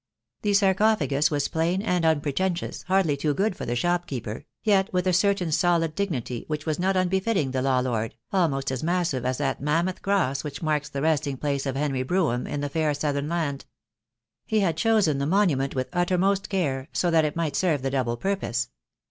The sarco phagus was plain and unpretentious, hardly too good for the shopkeeper; yet with a certain solid dignity which was not unbefitting the law lord, almost as massive as that mammoth cross which marks the resting place of Henry Brougham in the fair southern land. He had chosen the monument with uttermost care, so that it might serve the double purpose.